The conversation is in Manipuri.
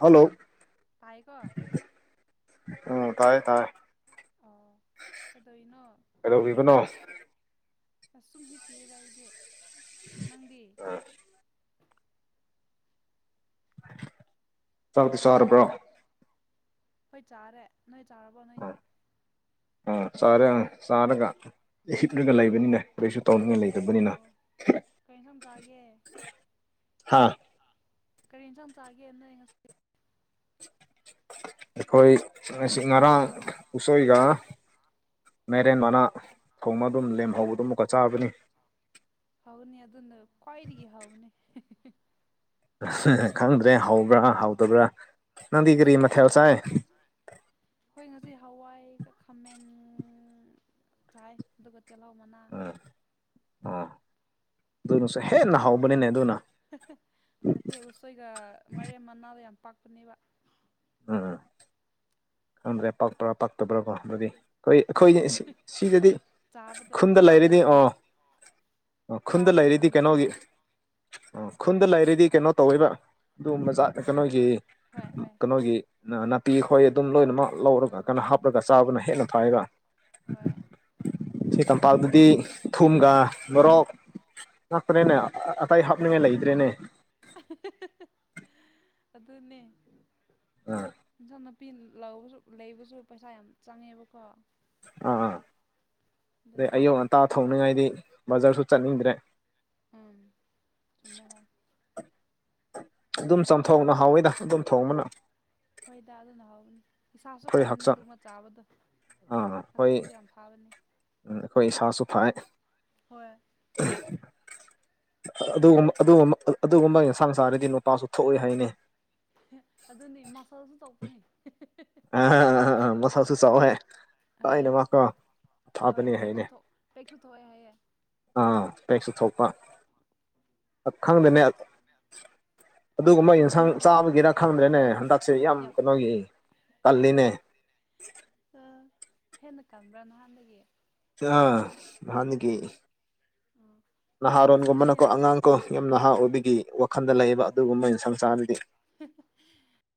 ꯍꯜꯂꯣ ꯇꯥꯏꯀꯣ ꯑꯪ ꯇꯥꯏꯌꯦ ꯇꯥꯏꯌꯦ ꯀꯩꯗꯣꯏꯅꯣ ꯀꯩꯗꯧꯕꯤꯕꯅꯣ ꯑꯁ ꯁꯨꯝ ꯍꯤꯞꯄꯤꯑꯦꯗ ꯑꯩꯗꯤ ꯅꯪꯗꯤ ꯆꯥꯛꯇꯤ ꯆꯥꯔꯕ꯭ꯔ ꯍꯣꯏ ꯆꯥꯔꯦ ꯅꯣꯏ ꯆꯥꯔꯕꯣ ꯅꯣꯏꯗꯤ ꯑꯥ ꯆꯥꯔ ꯆꯥꯔꯒ ꯍꯤꯞꯂꯒ ꯂꯩꯕꯅꯤꯅ ꯀꯩꯁꯨ ꯇꯧꯅꯤꯡꯉꯥꯏ ꯂꯩꯇ ꯑꯣ ꯇꯕꯅꯤꯅ ꯀꯔꯤ ꯏꯟꯁꯥꯡ ꯆꯥꯒꯦ ꯍꯥꯥ ꯀꯔꯤ ꯏꯟꯁꯥꯡ ꯆꯥꯒꯦ ꯅꯣꯢ ꯉꯁꯤ ꯑꯩꯈꯣꯢ ꯉꯁꯤ ꯉꯔꯥꯡ ꯎꯁꯣꯏꯒ ꯃꯦꯔꯦꯟ ꯃꯅꯥ ꯊꯣꯡꯅ ꯑꯗꯨꯝ ꯑꯣ ꯂꯦꯝꯍꯧꯕꯗꯨ ꯑꯣ ꯑꯃꯨꯛꯀ ꯑꯣ ꯆꯥꯕꯅꯤ ꯍꯥꯎꯅꯤ ꯑꯗꯨꯅ ꯈ꯭ꯋꯥꯢꯗꯒꯤ ꯍꯥꯎꯅꯤ [unintelligible] ꯈꯪꯗ꯭ꯔꯦ ꯍꯧꯕ꯭ꯔꯥ ꯍꯧꯇꯕ꯭ꯔꯥ ꯅꯪꯗꯤ ꯀꯔꯤ ꯃꯊꯦꯜ ꯆꯥꯏ ꯈꯣꯏ ꯉꯁꯤ ꯍꯋꯥꯏꯒ ꯈꯥꯃꯦꯟ ꯆꯥꯏ ꯑꯗꯨ ꯇꯦꯜꯍꯧ ꯃꯅꯥ ꯑꯣꯥ ꯑꯗꯨꯅꯁꯦ ꯍꯦꯟꯅ ꯍꯥꯎꯕꯅꯤꯅꯦ ꯑꯗꯨꯅ [unintelligible] ꯎꯁꯣꯏꯒ ꯃꯥꯏꯔꯦꯜ ꯃꯅꯥꯗ ꯌꯥꯝ ꯄꯥꯛꯄꯅꯦꯕ ꯎꯝ ꯈꯪꯗ꯭ꯔꯦ ꯄꯛꯄ꯭ꯔꯥ ꯄꯥꯛꯇꯕ꯭ꯔꯥ ꯀꯣ ꯑꯗꯨꯗꯤ ꯑꯩꯈꯣꯏ ꯑꯩꯈꯣꯏ ꯁꯤꯗꯗꯤ ꯅꯣꯏ ꯆꯥꯕꯗ ꯈꯨꯟꯗ ꯆꯥꯕꯗ ꯂꯩꯔꯤꯗꯤ ꯑꯣ ꯈꯪꯗ꯭ꯔꯦ ꯈꯨꯟꯗ ꯆꯥꯕꯗ ꯂꯩꯔꯤꯗꯤ ꯈꯪꯗ꯭ꯔꯅꯦ ꯀꯩꯅꯣꯒꯤ ꯑꯣ ꯈꯨꯟꯗ ꯂꯩꯔꯗꯤ ꯀꯩꯅꯣ ꯇꯧꯔꯤꯕ ꯑꯗꯨꯒꯨꯝꯕꯆꯥ ꯀꯩꯅꯣꯒꯤ ꯍꯣꯏ ꯍꯣꯏ ꯀꯩꯅꯣꯒꯤ ꯅꯥꯄꯤ ꯈꯣꯏ ꯑꯗꯨꯝ ꯂꯣꯏꯅꯃꯛ ꯂꯧꯔꯒ ꯑꯥ ꯀꯟꯅ ꯍꯥꯞꯄꯒ ꯆꯥꯕꯅ ꯍꯦꯟꯅ ꯐꯩꯌꯦꯀꯣ ꯍꯣꯏ ꯁꯤ ꯇꯝꯄꯥꯛꯇꯗꯤ ꯈꯨꯟ ꯊꯨꯝꯒ ꯃꯣꯔꯣꯛ ꯅꯠꯇꯔꯦꯅꯦ ꯑꯇꯩ ꯍꯥꯞꯅꯤꯡꯉꯥꯏ ꯂꯩꯇ꯭ꯔꯦꯅꯦ ꯑꯗꯨꯅꯦ ꯑꯥ [unintelligible] ꯅꯨꯄꯤ ꯂꯧꯕꯁꯨ ꯂꯩꯕꯁꯨ ꯄꯩꯁꯥ ꯌꯥꯝ ꯆꯪꯉꯦꯕꯀꯣ ꯑꯥ ꯑꯗꯩ ꯑꯗꯨꯒꯤ ꯑꯌꯨꯛ ꯉꯟꯇꯥ ꯅꯨꯡꯇꯤ ꯊꯣꯡꯅꯤꯡꯉꯥꯏꯗꯤ ꯕꯖꯥꯔꯁꯨ ꯆꯠꯅꯤꯡꯗ꯭ꯔꯦ ꯎꯝ ꯆꯨꯝꯃꯦ ꯍꯣꯏ ꯑꯗꯨꯝ ꯆꯝꯊꯣꯡꯅ ꯍꯥꯎꯋꯦꯗ ꯑꯗꯨꯝ ꯊꯣꯡꯕꯅ ꯍꯣꯏꯗ ꯑꯗꯨꯅ ꯍꯥꯎꯕꯅꯤ ꯏꯁꯥꯁꯨ ꯑꯩꯈꯣꯏ ꯀꯟꯅꯦ ꯍꯛꯆꯥꯡ ꯑꯗꯨꯒꯝ ꯆꯥꯕꯗꯣ ꯑꯥ ꯑꯩꯈꯣꯏ ꯍꯛꯆꯥꯡꯁꯨ ꯌꯥꯝ ꯐꯥꯕꯅꯤ ꯑꯩꯈꯣꯏ ꯏꯁꯥꯁꯨ ꯐꯩ ꯍꯣꯏ ꯑꯗꯨꯒꯨꯝꯕ ꯑꯗꯨꯒꯨꯝꯕ ꯑꯗꯨꯒꯨꯝꯕ ꯌꯦꯟꯁꯥꯡ ꯆꯥꯔꯗꯤ ꯅꯨꯄꯥꯁꯨ ꯊꯣꯛꯑꯦ ꯍꯥꯏꯅꯦ ꯑꯗꯨꯅꯤ ꯃꯁꯜꯁꯨ ꯇꯧꯕꯅꯤ [unintelligible] [unintelligible] ꯃꯁꯜꯁꯨ ꯆꯥꯎꯋꯦ ꯑꯩꯅ ꯍꯣꯏ ꯃꯥꯀꯣ ꯍꯣꯏ ꯐꯕꯅꯤ ꯄꯦꯛꯁꯨ ꯍꯥꯏꯅꯦ ꯊꯣꯛ ꯄꯦꯛꯁꯨ ꯊꯣꯛꯑꯦ ꯍꯥꯏꯌꯦ ꯑ ꯑꯦꯛꯁꯨ ꯊꯣꯛꯄꯥ ꯑ ꯈꯪꯗꯦꯅꯦ ꯑꯗꯨꯒꯨꯝꯕ ꯅꯣꯏ ꯌꯦꯟꯁꯥꯡ ꯅꯣꯏ ꯆꯥꯕꯒꯤꯔ ꯈꯪꯗ꯭ꯔꯦꯅꯦ ꯍꯟꯗꯛꯁꯦ ꯌꯥꯝ ꯀꯩꯅꯣꯒꯤ ꯇꯜꯂꯤꯅꯦ ꯑ ꯍꯦꯟꯅ ꯀꯪꯕ꯭ꯔꯥ ꯅꯍꯥꯟꯗꯒꯤ [unintelligible] ꯅꯍꯥꯟꯗꯒꯤ ꯑ ꯅꯍꯥꯔꯣꯟꯒꯨꯝꯕꯅꯀꯣ ꯑꯉꯥꯡ ꯀꯣ ꯌꯥꯝ ꯅꯍꯥ ꯑꯣꯏꯕꯒꯤ ꯋꯥꯈꯟꯗ ꯂꯩꯌꯦꯕ ꯑꯗꯨꯒꯨꯝꯕ ꯌꯦꯟꯁꯥꯡ ꯆꯥꯔꯗꯤ [unintelligible]